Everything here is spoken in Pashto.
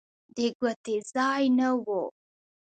د ګوتې ځای نه و.